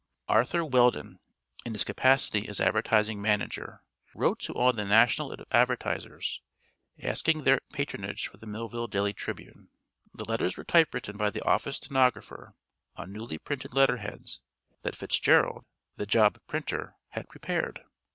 Arthur Weldon, in his capacity as advertising manager, wrote to all the national advertisers asking their patronage for the Millville Daily Tribune. The letters were typewritten by the office stenographer on newly printed letterheads that Fitzgerald, the job printer, had prepared.